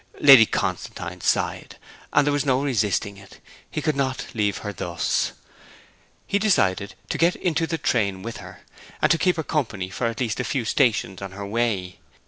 Lady Constantine sighed; and there was no resisting it, he could not leave her thus. He decided to get into the train with her, and keep her company for at least a few stations on her way.